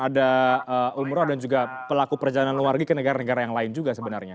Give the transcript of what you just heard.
ada umroh dan juga pelaku perjalanan luar negeri ke negara negara yang lain juga sebenarnya